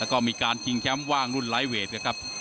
แล้วก็มีการชิงแชมป์ว่างรุ่นไลฟ์เวทนะครับ